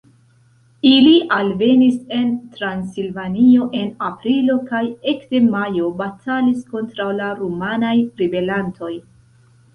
Ili alvenis en Transilvanio en aprilo kaj ekde majo batalis kontraŭ la rumanaj ribelantoj.